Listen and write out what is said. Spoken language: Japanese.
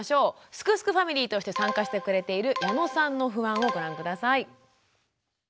すくすくファミリーとして参加してくれている矢野さんの不安をご覧下さい。